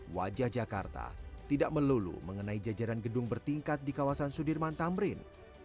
wajah jakarta tidak melulu mengenai jajaran gedung bertingkat di kawasan sudirman tamrin